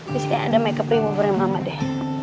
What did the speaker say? bisa ada makeup removernya mama deh